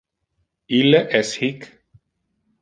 Ille es hic!